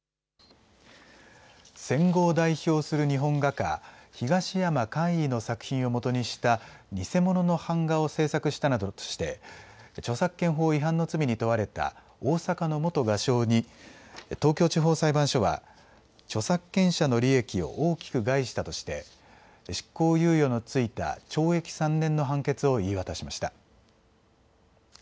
戦後を代表する日本画家、東山魁夷の作品をもとにした偽物の版画を制作したなどとして著作権法違反の罪に問われた大阪の元画商に東京地方裁判所は著作権者の利益を大きく害したとして執行猶予の付いた懲役３年の判決を言い渡しました。